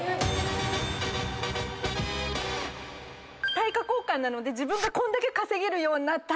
対価交換なので自分がこんだけ稼げるようになった。